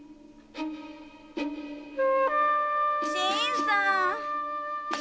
・新さん！